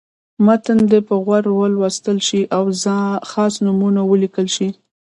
متن دې په غور ولوستل شي او خاص نومونه ولیکل شي.